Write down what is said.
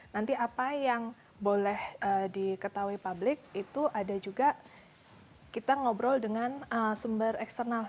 nanti apa yang boleh diketahui publik itu ada juga kita ngobrol dengan sumber eksternal